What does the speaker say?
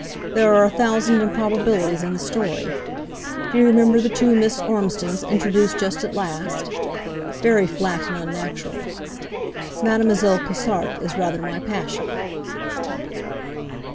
There are a thousand improbabilities in the story. Do you remember the two Miss Ormsdens introduced just at last? Very flat and unnatural. Madelle. Cossart is rather my passion.'